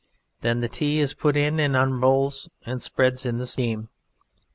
Then the Tea is put in and unrolls and spreads in the steam.